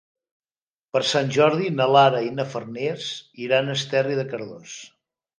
Per Sant Jordi na Lara i na Farners iran a Esterri de Cardós.